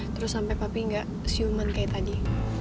terus sampai pak pi gak siuman kayak tadi